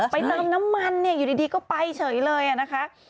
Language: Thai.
ไปตามน้ำมันเนี่ยอยู่ดีก็ไปเฉยเลยอะนะคะ